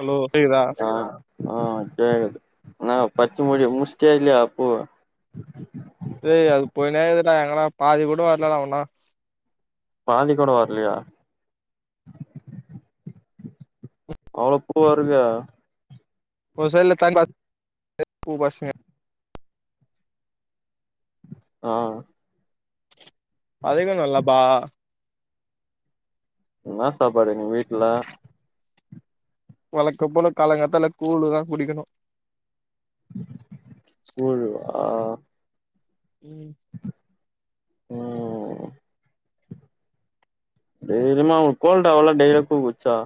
hello கேக்குதா ஆ ஆ கேக்து நா பச்சி முடி முஷ்டியா இல்லயா பூவ ஏய் அது போய்னே இருக்குதுண்ணா எங்கணா பாதி கூட வரலனா உன்னு பாதி கூட வர்லையா அவ்ளோ பூவாருக்கு ஒ சைடுல [inaudible] ஆ அதுக்கு நல்லபா என்ன சாப்பாடு உங்க வீட்ல வழக்கம் போல காலங்காத்தால கூழு தா குடிக்கணு கூழா ம் ம் தைரியமா அவ கோல்ட் ஆவல டேய்ல்யு கூழ் குடிச்சா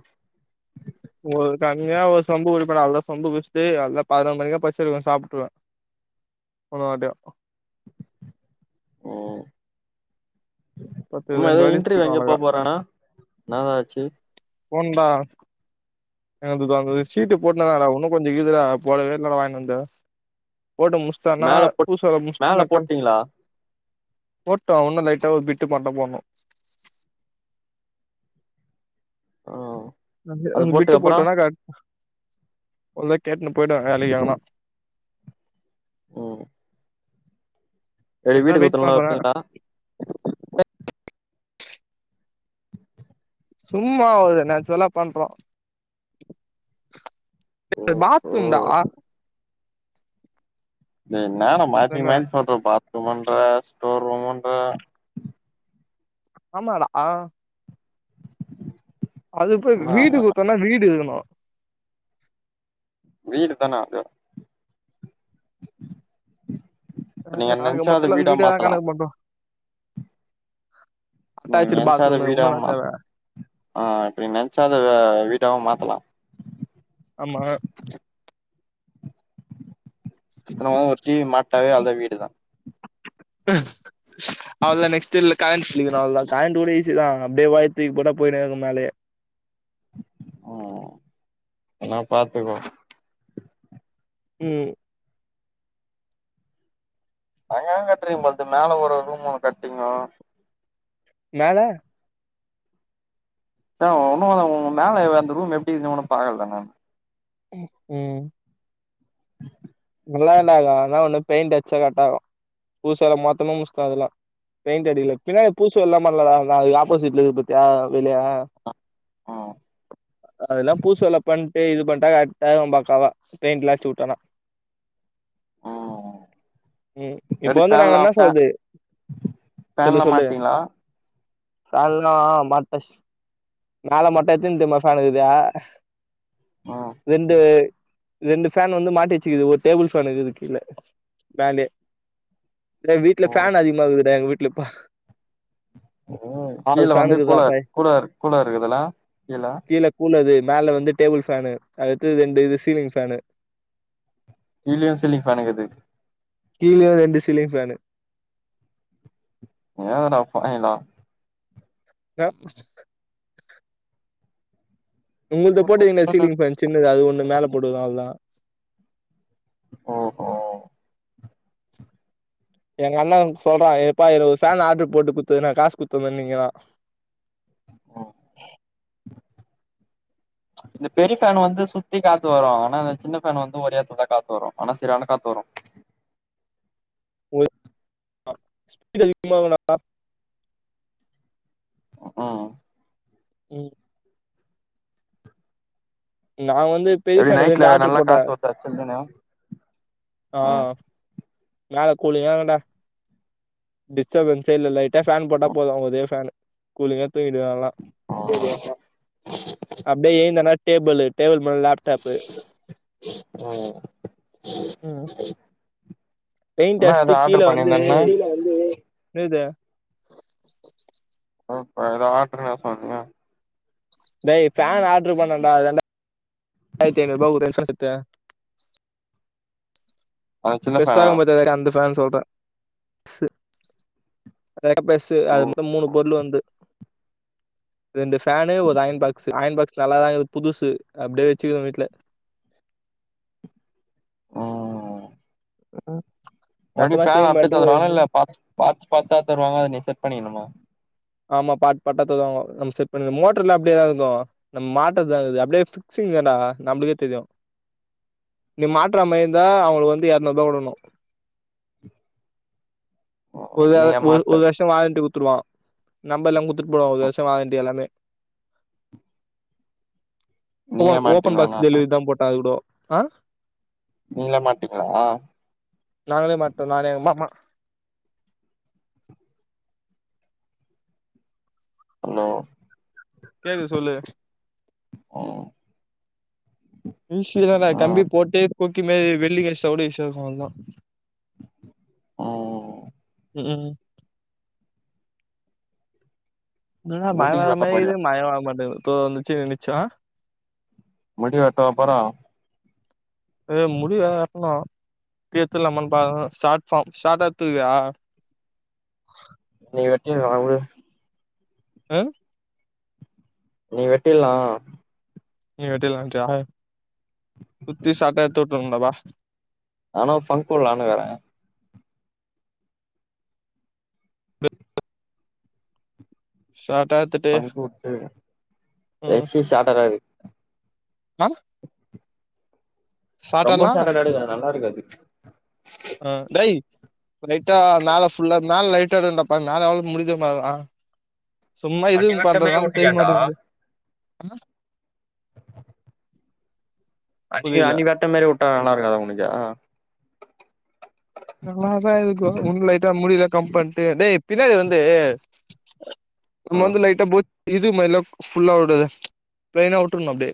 ஒரு தனியா ஒரு சொம்பு குடிப்பே நல்லா சொம்பு குச்சிட்டு எல்லா பதினோரு மணிக்கா பசிச்சிரு சாப்ட்ருவே [unintelligible] பத்து ஆமா ரெண்டு எதோ வாட்டி இன்டர்வியூ சாப்ட்ருவே எங்கயோ அழகா போபோரானா என்னதா ஆச்சு போனுண்டா எனகிப்ப அங்க ஒரு சீட்டு போட்னுருந்தாங்டா ஒன்னு கொஞ்சோ இக்குதுடா போடவேயில்லடா நம்ப வாங்கினந்து போட்டு முஸ்டானா மேல போட் பூசல்ல மேல முஸ்தானாக்க போட்டீங்களா போட்டு ஒன்னுல்ல லைட்டா ஒரு பிட்டு பாட்டா போட்னு அ விட்டு போட்டனா கரெக் இல்ல கேட்னு போய்ட வேலைக்குதனா ம் வெளி அதுக்குதா வீட்டுக்கு வெயிட் ஒருத்தோங்ளா பண்றே இருப்பீங்ளா சும்மாவகுது நெச்சுரல்லா பண்றோ அது ஓஹோ பாத்ரூம்டா என்னாடா மாத்தி நம்ம மாத்தி சொல்ற பாத்ரூமுன்ற ஸ்டோர்ரூமுன்ற ஆமாடா ஆ அதுப்ப என்னா வீடு மாரி குடுத்தோனா வீடு இருக்கணு வீடு தானா அது அ இப்ப நீங்க ஆக நெனச்சாத மொத்தல்ல அது வீடா வீடேலா மாத்தலா காணக்கமாட்டோ நீங்க அட்டாச்சுடு நெனச்சாத பாத்ரூம் வீடா உன்னு என்னா மா தேவ ஆ இப்படி நெனச்சா அத வீட்டாவெ மாத்தலா ஆமா எனமோ ஒரு டி வி மாட்னாவே நல்ல வீடுதா உஹம் அவள்தா நெஸ்ட் இயர்ல கரண்ட்ஸ்லீவ்தா அவல்தா கரண்ட் கூட ஈஸி தா அவுங்க அப்டியே வாய் துக்கி போட்டா பொய்ரும் மேலயே ம் நல்லா பாத்துக்கோ ம் அது எவ கட்றது பாத்து மேல ஒரு ரூம் ஒண்ணு கட்டிங்க மேல ச ஒன்னும் உங்க மேல அந்த ரூம் எப்டி இருக்குன் ஒன்னு பாக்கல நான் ம் நல்லாதாண்ட இக்கு ஆனா ஒண்ணு பெயிண்ட் அச்சா கட்டாகு பூசல மொத்தமு முஸ்ட அதல்லா பெயிண்ட் அடிகல பின்னால பூசு வேலலா பண்லடா அது ஆப்போசிட்ல இருக் பாத்தியா வெளிய ம் அதெல்லா பூசு வேல பண் இது பண்டா கரெக்டாருக்கு பக்காவ பெயிண்ட்லா அடிச்சிவுட்டோனா ம் ம் இப்ப எப்டி வந்து நாங்க ஃபேன்லா என்ன ஃபே சொல்றது சொல்லு ஃபேன்லா சொல்லு மாட்டீங்களா ஃபேன்லா மாட்டியாச்சு மேல மொட்ட எத்துன் தெரிமா பேனு இருக்குது ம் டேய் ரெண்டு ஃபேன் வந்து மாட்டி வெச்சுக்குது ஒரு டேபிள் ஃபேனுக் இதுக்கில்ல ஃபேன்ல்யே [unintelligible] வீட்ல ம் ஃபேன் அதிகமாகுதுடா எங்க வீட்ல இப்ப ம் ஆறு கீழ ஃபேன் வந்து இருக்குதுடா கூலர் பை கூலர் கூலர் இருக்குதுல்லா கீழ கூலரு மேல வந்து டேபிள் ஃபேனு அதுகத்து ரெண்டு இது சீலிங் ஃபேனு கிழயு சீலிங் ஃபேனுக்குது கீழ ரெண்டு சீலிங் ஃபேனு இன்னாடா பாவிங்களா ஆ உங்குள்து போட்டீங்கிலே சீலிங்ஃ பேன் சின்னதா அது ஒன்னு மேல போட்டுக்றோ அவ்ள்தா ஓஹோ எங்க அண்ணன் சொல்றா எப்பா எனக் ஒரு ஃபேன் ஆட்ரு போட்டு குத்துரா காசு குத்துறேனிக்கிறா ஒ இந்த பெரிய ஃபேன் வந்து சுத்தி காத்து வரு ஆனா இந்த சின்ன ஃபேன் வந்து ஒரே எட்த்துல்தா காத்து வரு ஆனா செரியான காத்து வரு [unintelligible] ஸ்பீட் அதிக [unintelligible] ம்க்ம் ம் நா வந்து பெரிய எப்டி ஃபேனு நைட்ல ரெண்டு ஆட்ரு நல்லா போட்டே காத்து வருதா சில்லுனு ஆ ம் மேல கூலிங்காகுடா டிஸ்டபன்ஸே இல்ல லைட்டா ஃபேன் போட்டா போது ஒரே ஃபேன் கூலிங்கா தூங்கிடுவே அவ்ளா [unintelligible] அப்டே எய்ந்தனா டேபுளு டேபிள் மேல் லேப்டாப்பு ம் பெயிண்ட்டு என்ன அஷ்ட்டு எதோ கீழ ஆர்டர் வந்து பண்ணிருந்தேன்ன இது [unintelligible] டேய் ஃபேன் ஆட்ரு பண்ணேன்டா அதுதான்டா டாய்ர்த்தி ஐநூருபா ஒரு ஜங்ஷனு சேத்து அந்த சின்ன ஃபேனா பெர்ஸாக்கும் பாத்தியா அந்த ஃபேன் சொல்ற [unintelligible] பெர்ஸ்சு அது மொத்தோ மூணு பொருளு வந்து [inaudible] ரெண்டு ஃபேனு ஒரு அயன் பாக்ஸ்சு அயன் பாக்ஸ் நல்லாதா இருக் புதுசு அப்டே வெச்சுகிற வீ்ட்ல ம் ம்க்ம் எப்டி ஃபேன் அப்டி தந்துருவாங்களா இல்ல பாட்ஸ் பாட்ஸ் பாட்ஸா தருவாங்க அத நீ செட் பண்ணிக்கணுமா ஆமா பாட் பாட்டா தருவாங்கோ நம் செட் பண்ணணு மோட்ருல அப்டேதா இருக்கு நம் மாட்றத்தாகிது அப்டே பிக்சிங் தான்டா நம்ளுக்கே தெரியு நீ மாட்ற மாறியிருந்தா அவுங்களுக்கு வந்து எர்நூர்பா குடுக்குணு ஒரு தவ நீயே ஒரு மாட்ட ஒரு வருஷோ வாரண்டி குத்துருவா நம்பர்லா குத்துட் போவா ஒரு வர்ஷோ வாரண்டி எல்லாமே [inaudible] நீயே ஓன் ஓபன் மாட்டீங்களாண்ணா பாக்ஸ் டெலிவரி தா போட்டா அது கூடோ ஆ நீங்ளா மாட்டிங்களா நாங்களே மாட்டோ நானு எங் மாமா ஹலோ கேக்கிது சொல்லு ம் ஈசி தான்டா கம்பி ம் போட்டு கொக்கி மாரி வெல்லிங் அஷ்டா கூட ஈசியா இருக்கு அவ்ள்தா ம் ம் என்னடா மல முடி வர வெட்ட மார்கிது போறியா மல வரமாட்டுது தோ வந்துச்சு நின்னுச்சா முடி வெட்டவா போறோ அ முடி வேற வெட்னு ட்லே எட்துலாமான் பாக்குற ஷாட் ஃபாம் ஷாட்டா எட்த்துகுவியா நீ வெட்டி நாவுல அ நீ வெட்டிலா நீயே வெட்டிற்லான்ட்ற்யா குத்தி சாட்டா எட்த்து உட்ருவுண்டா வா ஆனா ஃபங்க்குலானு சாட்டா எட்த்து ஃபங்கு உட்டு ரெஸ்ஸு சாட்டாரா இருகு அ ரொம்ப ஷார்ட்டாலா சாட்டடா எடுக்காத நல்லா இருக்காது அ டேய் லைட்டா மேல ஃபுல்லா மேல் லைட்டாதாண் டப்பாங் மேல அவுங்ளுக் முடிஞ்ச மார்தா சும்மா அன்னி இதுங் வெட்ட மாரி பண்றதாங் தெரி விட்டுக்கேன்டா மாட்டிங்குது அன்னிக்கு புரியல அனி வெட்ட மாரி உட்ட நல்லா இருக்காதா உனக்கா நல்லாதா இருக்கு உனுக்கு லைட்டா முடி இத கம் பண்ட்டு டேய் பின்னாடி வந்து நம்ம வந்து லைட்டா போ இது மார்லா ஃபுல்லா உடாத ப்ளைனா உட்டுர்னு அப்டே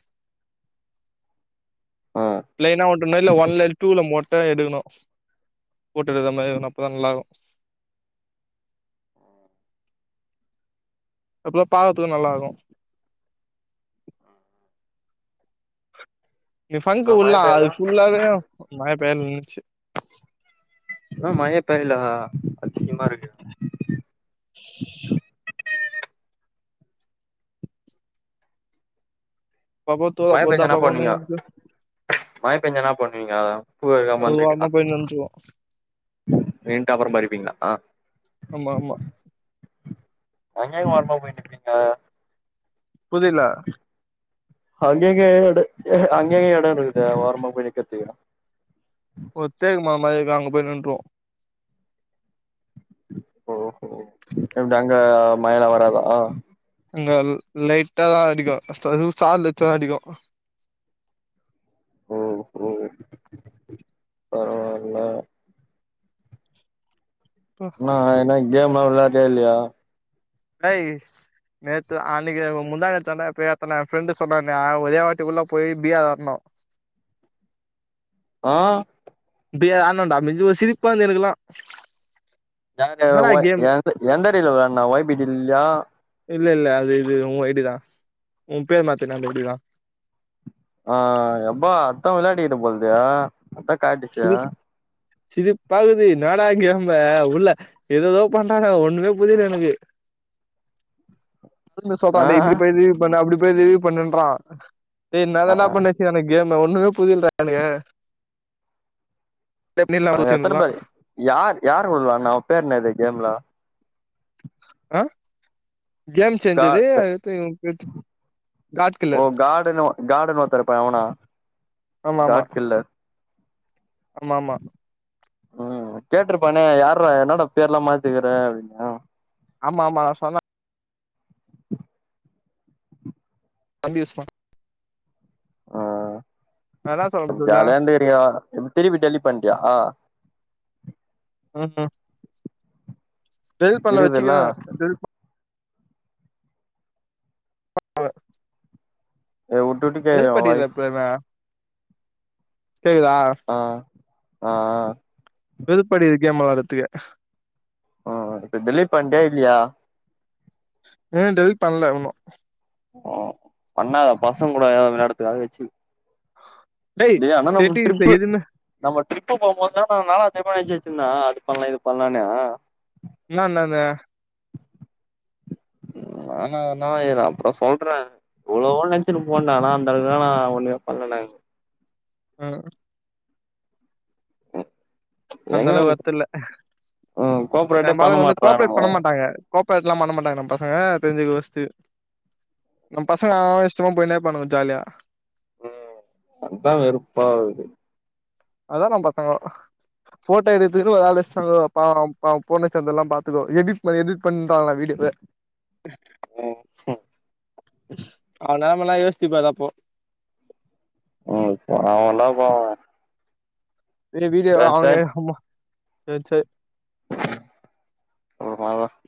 ஆ ப்ளைலனா உட்டுர்னு இல்ல ஒன்லெல் டூல மொட்ட எடுக்குணு போட்டு வித மாரி இருக்னு அப்பதா நல்லார்க்கு அப்புதா பாகறதுக்கு நல்லா இருக்கு ஃபங்கு என்ன மழ உள்ளா பெய்யல அது ஃபுல்லாவே மழ பெய்ர்ந் நின்னுச்சு ம் மழயே பெய்ல ஆச்சிரிமா இருக்கு பா போத்தோ அப்போத்தா போதுங் இர்ந்சசு மழபெஞ்சனா பண்ணுவீங்க அத புகலு அ அது மந்த்ரி நின்னா ஓரமா போய் நின்றுக்கு நின்ட்டு அப்புறோ படிப்பீங்ளா ஆமா ஆமா அங்யே ஓர்மா போய் நிப்பீங்க புதில அங்கேங்கே எடு அங்கேங்க எட இருக்குது ஓரமா போய் நிக்கற்துக்கு ஒத்தேகு மா மாரி இருக்கு அங்க போய் நின்ற்வோ ஓஹோ ஏன்டா அங்க மழைலா வராதா அங்க லைட்டாதா அடிக்கு சர்ல் சார்ல் லைட்டாதா அடிக்கு ம் ம் பரவா இல்ல பா ஆ என்ன கேம்லா விளாட்ரியா இல்லயா டைஸ் நேத்து அன்னைக்கு முந்தா நேத்தாண்டா எப்புயோ ஏத்துன ஃப்ரெண்டு் சொன்னானு ஒரே வாட்டுக்குள்ள போய் இப்பியா வர்ணு ஆ இப்டியே ஆட்னோன்டா மிஞ்சுபோ சிரிப்பா இருந்து எனக்குலா யாரு என்னடா ஒய் கேமு எந்து எந்தடில விளாட்ன வொய்ப் இடில்யா இல்ல இல்ல அது இது வொய்டுதா உன் பேர் மாத்துன அந்த இதுதா ஆ எப்பா அட்த்தா விளாடிகிட்டு போல்துயா அதா காட்டிசா சிதிப்பாக்குது இன்னாடா கேம்ல உள்ள ஏதேதோ பண்றாங்க ஒண்ணுமே புரில எனக்கு உம் சீனு சொல்றா டேய் இப்டி போய் இ ரிவியூ பண்ணு அப்டி போய் ரிவியூ பண்ணுன்றா டேய் ஆ இன்னாதாண்ட பண்ணு எனக்கு கேம்ல ஒண்ணுமே புரிலடா எனக்கு அ எத்தனைபேரு யார் யார் வெளாட்னா அவே பேரு நேது கேம்ல ஆ கேம் கா செஞ்சது அடுத்து இவே பேர் தெர் ஓ கார்டுன்னு ஒ கார்டுன்னு ஒருத்தே இருப்பானே அவனா ஆமா ஆமா காட் கில்லர் ஆமா ஆமா ம் கேட்டிருப்பனே யாரா என்னடா பேர்லா மாத்திக்கிற அப்டின்னு ஆமா ஆமா நா சொன்ன தம்பி இஸ்மா ம் ஆ அதான் அப்ப சொல்ல சொல்லு ஜாலியா இருந்துகிரிங்கோ இப்போ திருப்பி டெலிட் பண்டியா ம் ம் டேலிட் பண்ணல இருக்குதுல்ல வெச்சுக்கிற ஆ டேலிட் அ எ உட்ருடி வெறுப்படிக்குது எப்பயுமே கேக்குதா அ அ ஆ வெறுப்படிக்குது கேம் வெளாட்றத்துக்கே அ ஆ இப்ப டெலிட் பண்டியா இல்லியா எ டெலிட் பண்ணல உன்னு ஓ பண்ணாதா பசங்கூட எதா விளையாடத்துக்காக வெச்சிரு டேய் ஆனா நம்ளுக்கு செட்டிங்ஸ்ல ட்ரிப்பு எதுவுமே நம்பௌ ட்ரிப்பு போம்போதுலா நா நாலா தெரிமா நெனச்சி வெச்சிருந்தே அது பண்லா இது பண்லானு நா நானு நானான இரு அப்றோ சொல்றே இரு எவ்ளோவோ நெனச்சினு போனே டா ஆனா அந்த அளவுக்குல நா ஒண்ணுமே பண்லடா ஆ அந்த எங்க அளவு எனக்கு வெர்த் இல்ல ம் கோப்ரேட்டே நம்ப பண்ண ஆளுங்க வந்து கோஆப்பரேட் மாட்றானுங்கோ பண்ண மாட்டாங்க கோஆப்பரேட்லா பண்ண மாட்டாங்க நம்ம பசங்க தெரிஞ்சிக்கோ ஃபர்ஸ்ட் நம்ம பசங்க அவே அவே இஷ்டமா போயினே இருப்பானுங்க ஜாலியா அதா வெறுப்பாவுது அதா நம் பசங்கோ ஃபோட்டோ எடுக்குறதுக்குன்னு ஒரு ஆள் வெஷ்டானுங்கோ பாவோ பா போன சேந்தல்லா பாத்துக்கோ எடிட் பண் எடிட் பண்ணறாங்கால வீடியோவ ம் அவே நெலமல்லா யோசிச்சி பாரு அப்போ ம் தேவல்லப்பா அவே இதுலயே வீடியோவ அவுங்க சேர் அம்மா சேர் சேர் [unintelligible]